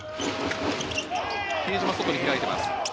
比江島、外に開いています。